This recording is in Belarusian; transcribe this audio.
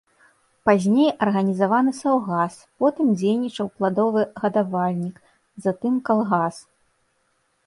Пазней арганізаваны саўгас, потым дзейнічаў пладовы гадавальнік, затым калгас.